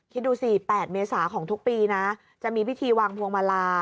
คิดดูสิ๘เมษาของทุกปีนะจะมีพิธีวางพวงมาลา